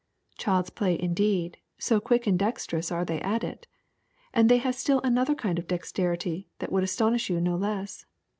^^ Child's play indeed, so quick and dexterous are they at it. And they have still another kind of dex terity that would astonish you no less.